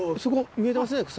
見えてますね鎖。